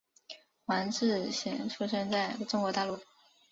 黄志贤出生在中国大陆。